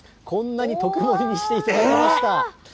こんなに特盛にしていただきました。